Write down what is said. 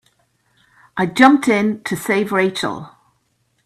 I jumped in to save Rachel.